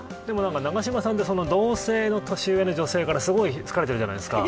永島さんは同性の年上の女性からすごい好かれているじゃないですか。